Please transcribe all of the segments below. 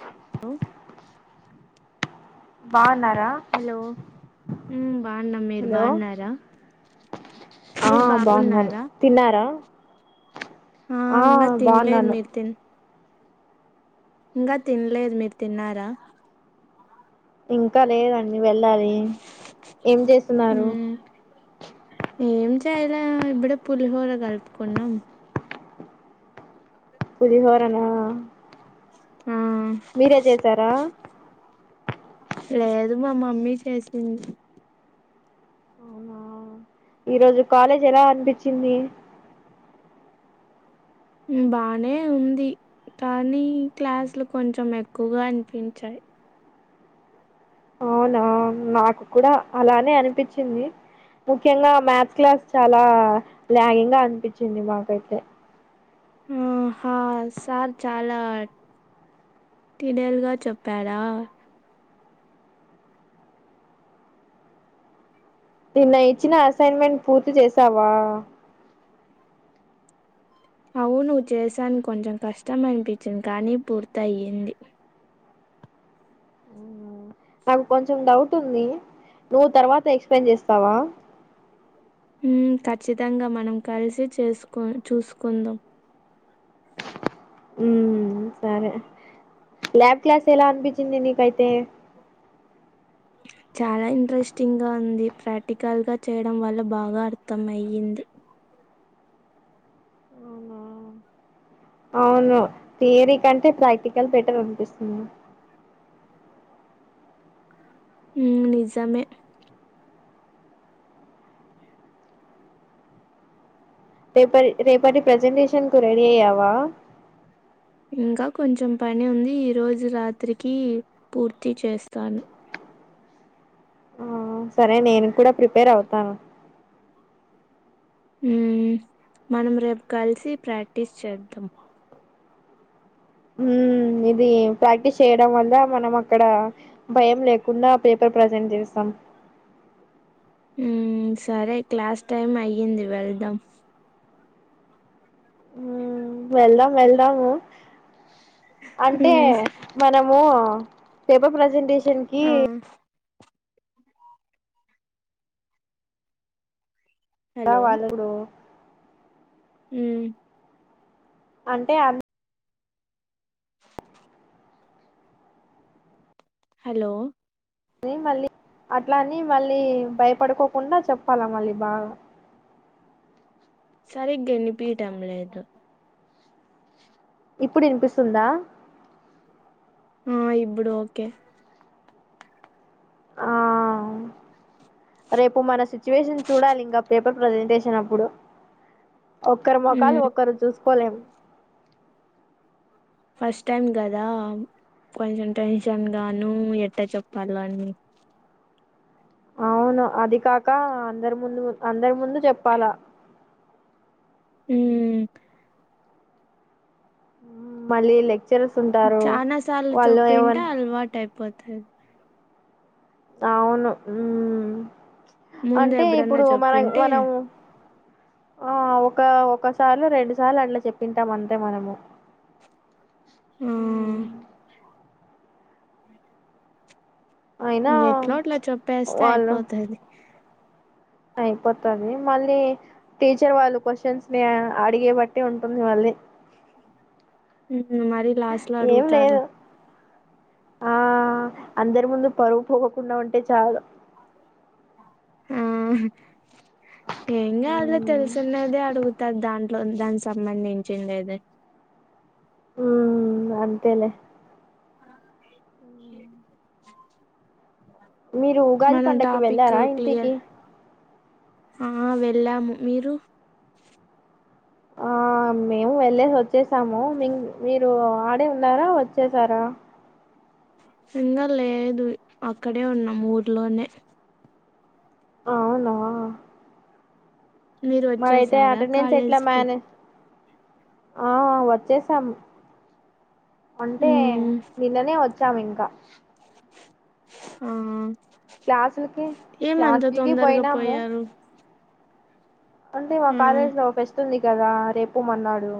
[unintelligible] [unintelligible] Hello మ్మ్ బాగున్న మీరు హలో బాగున్నారా ఆ మీరు బాగున్నాన్ బాగున్నారా తిన్నారా ఆ ఇంగా తిన్లేదు మీరు తిను ఇంగా తినలేదు మీరు తిన్నారా ఇంకా లేదండి వెళ్ళాలి ఏం చేస్తున్నారు ఉమ్ ఏం చేయాలేమ్ ఇప్పుడే పులిహోర కలుపుకున్నాం పులిహోరనా ఆ మీరే చేసారా లేదు మా మమ్మీ చేసింది ఈ రోజు కాలేజ్ ఎలా అనిపించింది హ్మ్ బానే ఉంది కానీ క్లాసులు కొంచెం ఎక్కువగా అనిపించాయి అవునా నాకు కూడా అలానే అనిపించింది ముఖ్యంగా మ్యాథ్స్ క్లాస్ చాలా లాగింగ్ గా అనిపించింది మాకైతే ఆ హా సార్ చాల టు తినేలుగా చెప్పారా నిన్న ఇచ్చిన అసైన్మెంట్ పూర్తి చేసావా అవును చేశాను కొంచెం కష్టం అనిపించింది కానీ పూర్తి అయింది ఉ నాకు కొంచెం డౌట్ ఉంది నువ్వు తర్వాత ఎక్స్ప్లెయిన్ చేస్తావా ఉ ఖచ్చితంగా మనం కలిసి చేసుకొని చూసుకుందాం ఉ సరే ల్యాబ్ క్లాస్ ఎలా అనిపించింది నీకు అయితే చాలా ఇంట్రెస్టింగ్ గా ఉంది ప్రాక్టికల్ గా చేయడం వల్ల బాగా అర్థం అయ్యింది అవును థియరీ కంటే ప్రాక్టికల్ బెటర్ అనిపిస్తుంది ఉ నిజామే రేపరి రేపటి ప్రజెంటేషన్ కు రెడీ అయ్యావా ఇంకా కొంచెం పని ఉంది ఈ రోజు రాత్రికి పూర్తి చేస్తాను ఆ సరే నేను కూడా ప్రిపేర్ అవుతాను ఉ మనం రేపు కలిసి ప్రాక్టీస్ చేద్దాం ఉ ఇది ప్రాక్టీస్ చేయడం వల్ల మనం అక్కడ భయం లేకుండా పేపర్ ప్రజెంట్ చేస్తాం ఉ సరే క్లాస్ టైం అయ్యింది వెళ్దాం ఉమ్ వెళ్దాం వెళ్దాము అంటే హ్మ్. మనం వో ఆ పేపర్ ప్రజెంటేషన్ కి ఆ! ఎలా వాళ్ళగుడు ఉ అంటే అన్ హలో అనీ మళ్ళీ అట్లాని మళ్ళీ భయపడుకోకుండా చెప్పాలా మళ్ళీ బాగా సరిగ్గా ఎన్ని పీటంలేదు ఇప్పుడు వినిపిస్తుందా ఆ ఇబుడు ఓకే ఆ రేపు మన సిచ్యువేషన్ చూడాలి ఇంకా పేపర్ ప్రజెంటేషన్ అప్పుడు ఒక్కరి మొకాలు హ్మ్. ఒకరు చూసుకోలేం ఫస్ట్ టైం గదా కొంచెం టెన్షన్ గాను ఎట్ట చెప్పాల అని అవును అది కాక అందరి ముందు అందరి ముందు చెప్పాల మ్మ్ మళ్ళి లేక్ చనాా సార్లు చొప్పుట ఏమన్ అలవాటు అయిపోతది అవును హు ముందు అంటే ఎప్పుడన్నా ఇప్పుడు మనక్ చెప్పింటే మనం ఆ ఒక ఒకసార్లు రెండు సార్లు అట్లా చెప్పింటాం అంతే మనము ఆ మ్మ్. అయినా ఎట్లో అట్లా చెప్పేస్తే అయిపోతది అయిపోతంది మళ్ళీ టీచర్ వాళ్ళు క్వశ్చన్స్ ని అడిగే బట్టి ఉంటుంది మళ్ళీ మరీ లాస్ట్ లో ఏం అడుగుతారు లేదు ఆ అందరి ముందు పరువు పోగకుండా ఉంటే చాలు మ్ ఏం కాదులే తెలిసున్నది అడుగుతారు దాంట్లో దానికి సంబంధించిందేది హు అంతేలే మీరు ఉగాది మన పండక్కి టాపిక్ వెళ్ళారా క్లియర్ ఇంటికి ఆ వెళ్ళాము మీరు ఆ ఆ మేము వెళ్లేేసి వచ్చేసాము మీ మీరు ఆడే ఉన్నారా వచ్చేసారా సింగ లేదు అక్కడే ఉన్నాం ఊర్లోనే అవునా మీరు మరయితే వచ్చేసారా అటెండెన్స్ ఎట్లా కాలేజ్కి మ్యానే ఆ వచ్చేసాం అంటే ఉమ్ నిన్ననే వచ్ సామ్ ఇంకా ఆ క్లాసులకి ఏందంత క్లాసులకి తిందరగా పోయినాము పోయారు అంటే మా ఆ కాలేజ్ లో ఫస్ట్ ఉంది కదా రేపు మన్నాడు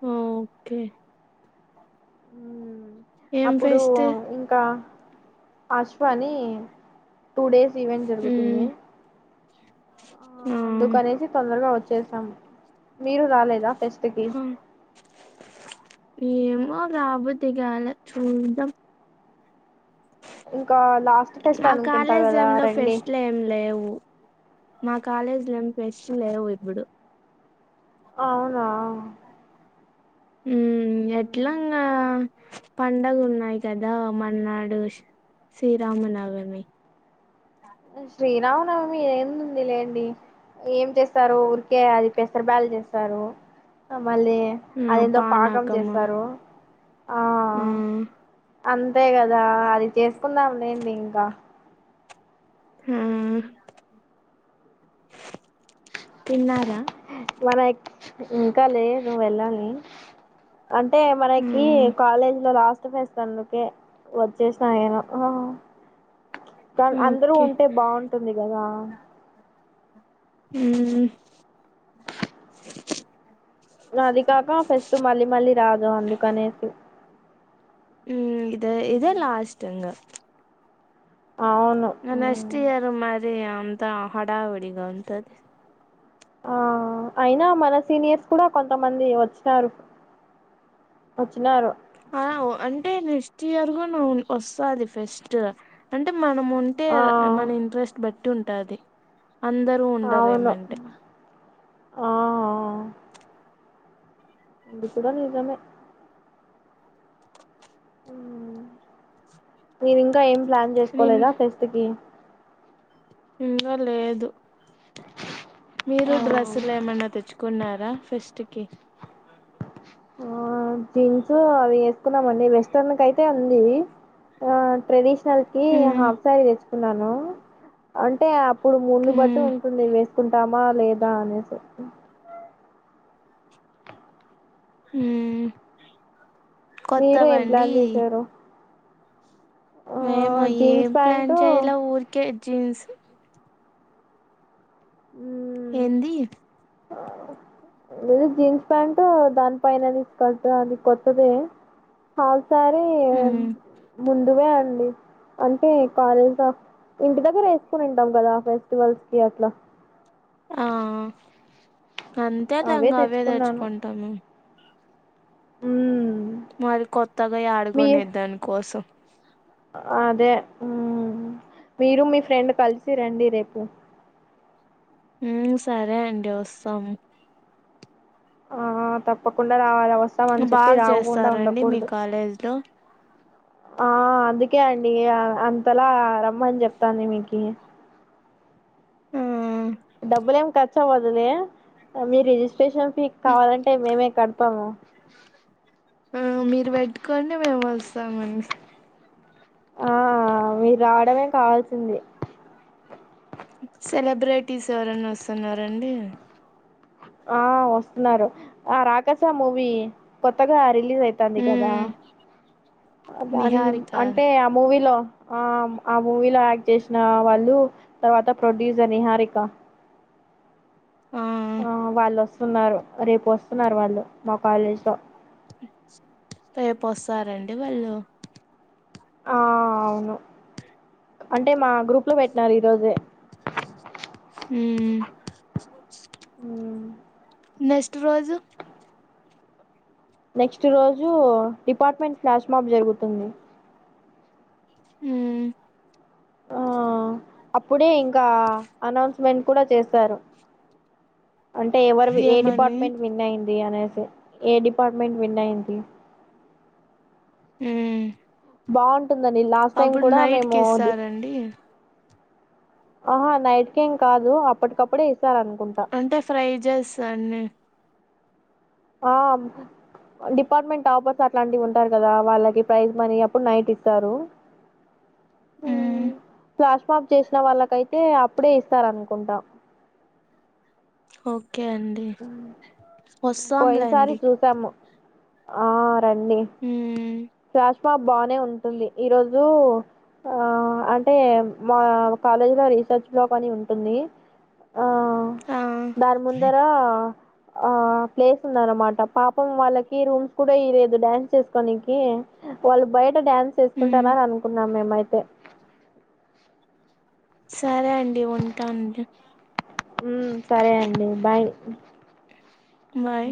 హు ఓకే ఏం అప్పుడు ఫెస్ట్ ఇంకా అశ్వాని టూ డేస్ ఈవెంట్ ఉమ్ జరుగుతుంది ఆ అందుకనేసి తొందరగా వచ్చేసాం మీరు రాలేదా ఫెస్టుకి ఏేమో రాబుద్ది కాలే చూద్దాం ఇంకా లాస్ట్ ఫెస్ట్ నా అనుకుంటా కాలేజ్ కదా ఏం లో రండి ఫెస్ట్లు ఏం లేవు మా కాలేజ్ లో ఎం ఫెస్టులు లేవు ఇప్పుడు అవునా మ్మ్ మ్మ్. ఎట్లంగా పండగ ఉన్నాయి కదా మర్నాడు శ్రీరామనవమి ఆ ఎం ంది లేండి ఏం చేస్తారు ఊరికే అది పెసర బ్యాలు చేస్తారు మళ్ళీ ఆ అదెందో పాకం పానకము చేస్తారు ఆ ఆ అంతే కదా అది చేసుకుందాం లేండి ఇంకా హు తిన్నారా మన ఏ ఇంకా లేదు వెళ్ళాలాలి అంటే మనకి ఉమ్ కాలేజ్ లో లాస్ట్ ఫస్ట్ అందుకే వచ్ చేసిన [unintelligible] కానీ అందరు ఓకే ఉంటే బాగుంటుంది కదా. ఉమ్. అది కాక ఫేస్ట్ మళ్ళీ మళ్ళీ రాదు అందుకనేసి. ఉమ్ ఇదే ఇదే లాస్ట్ ఇంగా. అవును ఆహ్ నెక్స్ట్ ఉమ్. ఇయర్ మరి అంతా హడావుడిగా ఉంటది. ఆహ్ అయినా మన సీనియర్స్ కూడా కొంతమంది వచ్చారు. వచ్చినారు. ఆహ్ అంటే నెక్స్ట్ ఇయర్గున వస్తది ఫెస్ట్ అంటే. మనం ఉంటే ఆ మన ఇంట్రెస్ట్ బట్టి ఉంటది. అందరూ అవును ఉండరేమేంటే. ఆ ఇది కూడా నిజమే. ఉమ్ నువ్వింకా ఏం ప్లాన్ నిన్ చేసుకోలేదా ఫెస్ట్ కి. ఉమ్ ఇంకా లేదు. మీరు ఆ డ్రెస్సులు ఏమైన్నా తెచ్చుకున్నారా ఫెస్ట్ కి. ఆహ్ జీన్సు అవి వేసుకున్నామండి వెస్టర్న్ కైతే అది. ఆహ్ ట్రెడిషనల్ కి ఉమ్ హాఫ్ సారీ తెచ్చు. అంటే అప్పుడు మూడును బట్టి ఉమ్ ఉంటుంది ఎస్. వేసుకుంటామా లేదా అనేసి ఉమ్. ఉమ్ మీరు ఏం కొత్తావండి. ప్లాన్ చేశారు ఆ మేము జీన్స్ ఏం ప్లాన్ ప్యాంటు చేయాలే ఊరికే జీన్స్. ఉమ్. ఏంది. లేదు జీన్స్ ప్యాంట్ దాని పైనది స్కర్ట్ అది కొత్తదే. Hop sorry. ఉమ్. దివే అండి. అంటే కాలేజ్ ద ఇంటి దగ్గర వేసుకొని ఉంటాం కదా ఫెస్టివల్స్ కి అట్లా. ఆహ్ అంతేలే ఇంగ అవే తెచ్చుకుంటాము. ఉమ్. మరి కొత్తగా యాడ కొనేది దానికోసం. అదే మీరు మీ ఫ్రెండ్ కలిసి రండి రేపు. ఉమ్ సరే అండి వస్తాం. ఆహ్ తప్పకుండా రావాలి వస్తాం అని బాగా చెప్పి రావకుండా చేస్తారండి మీ ఉండకూడదు. కాలేజ్ లో ఆహ్ అందుకే అండి ఆహ్ అంతలా రమ్మని చెప్తాంది మీకీ. ఆ డబ్బులు ఏం ఖర్చవ్వదులే అవి రిజిస్ట్రేషన్. మీక్ కావాలంటే మేమే కడతాము. ఇస్తామండి. ఆహ్ మీరు రావడమే కావాల్సింది. సెలబ్రిటీస్ ఎవరైనా వస్తున్నరండి. ఆహ్ వస్తున్నారు ఆహ్ రాకస మూవీ కొత్తగా రిల్. రిలీజ్ అయితంది కదా ఉమ్ దాని నిహారిక అంటే ఆ మూవీలో. ఆహ్ ఆ మూవీలో యాక్ట్ చేసిన వాళ్ళు తర్వాత ప్రొడ్యూసర్ నిహారిక. ఆ ఆహ్ వాళ్ళు వస్తున్నారు రేపు వస్తున్నారు వాళ్ళు మా కాలేజ్ లో. రేపోస్తారా అండి వాళ్ళు. ఆహ్ అవును. అంటే మా గ్రూప్ లో పెట్టినారు ఈ రోజే. ఉమ్ మ్మ్. నెక్స్ట్ రోజు. నెక్స్ట్ రోజు డిపార్ట్మెంట్ ఫ్లాష్మాప్ జరుగుతుంది. ఉమ్మ్. ఆ అప్పుడే ఇంకా అనౌన్స్మెంట్ కూడా చేస్తారు అంటే ఎవరివి ఏ ఏమని డిపార్ట్మెంట్ విన్ అయింది అనే సి ఏ డిపార్ట్మెంట్ విన్నైంది ఉమ్ ంటుందని లాస్ట్ టైం అప్పుడు కూడా నైట్ మేము కి డి ఇస్తారండి ఆహా నైట్కేం కాదు అప్పటికప్పుడే ఇస్ అంటే ఫ్రై జెస్ అన్ని ఆ డిపార్ట్మెంట్ ఆఫర్స్ అట్లాంటివి ఉంటారు కదా వాళ్ళకి ప్రైజ్ మనీ అప్పుడు నైటి స్తారు. ఉమ్ క్యాష్ బ్యాక్ చేసిన వాళ్ళకైతే అప్పుడే ఇస్తారనుకుంటా ఓకే అండి పోయినసారి వస్తాంలేండి. చూసాము ఆ రండి. ఉమ్ ప్లాష్మాబ్ బానే ఉంటుంది ఈరోజు ఆ అంటే మా కాలేజ్ లో రీసెర్చ్ బ్లాక్ అని ఉంటుంది. ఆ ఆ దానిముందర ఆ ప్లేస్ ఉదంన్నమాట పాపం వాళ్ళకి రూమ్స్ కూడా ఇయలేదు డ్యాన్స్ చేసుకోనికి కివాళ్ళు బయట డ్యాన్స్ ఉమ్ చేసుకుంటారని అనుకున్నాం మేమయి తే సరే అండి ఉంటాను. ఉమ్మ్ సరే అండి బాయ్ బాయ్